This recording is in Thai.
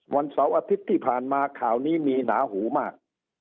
วันเสาร์อาทิตย์ที่ผ่านมาข่าวนี้มีหนาหูมาก